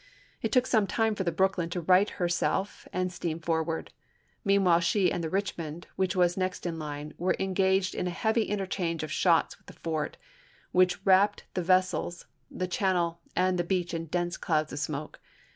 It took some time for the Brooklyn to right herself and steam forward ; meanwhile she and the Bichmond, which was next in line, were engaged in a heavy interchange of shots with the fort, which wrapped the vessels, the channel, and the beach in dense clouds of smoke.